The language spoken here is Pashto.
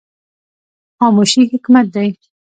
خاموشي حکمت دی